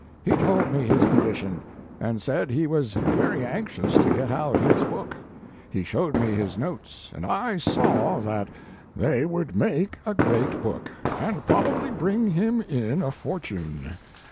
He told me his condition, and said he was very anxious to get out his book. He showed me his notes, and I saw that they would make a great book, and probably bring him in a fortune.